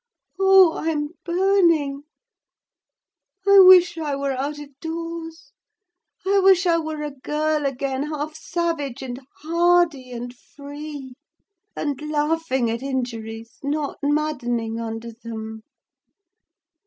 Oh, I'm burning! I wish I were out of doors! I wish I were a girl again, half savage and hardy, and free; and laughing at injuries, not maddening under them!